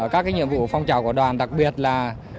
các nhiệm vụ phong trào của đoàn đặc biệt là